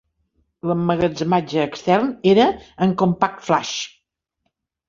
L"emmagatzematge extern era en CompactFlash.